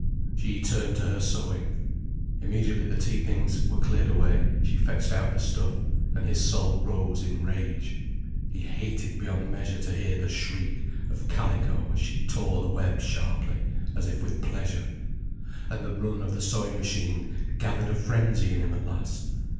She turned to her sewing. Immediately the tea things were cleared away, she fetched out the stuff, and his soul rose in rage. He hated beyond measure to hear the shriek of calico as she tore the web sharply, as if with pleasure. And the run of the sewing machine gathered a frenzy in him at last.